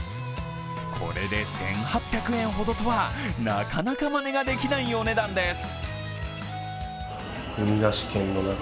これで１８００円ほどとは、なかなかまねができないお値段です。